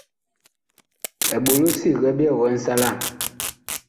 Eɓolo sig ɛ byɛɛ wɛɛ nsalaa.